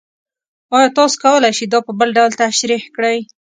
ایا تاسو کولی شئ دا په بل ډول تشریح کړئ؟